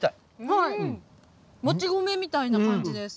はいもち米みたいな感じです。